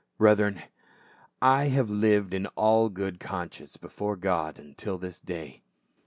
" Brethren, I have lived in all good conscience before God until this day."